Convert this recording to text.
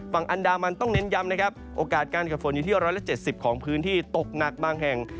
ฝั่งอันดามันต้องเน้นย้ำนะครับโอกาสการเกิดฝนอยู่ที่๑๗๐ของพื้นที่ตกหนักบางแห่ง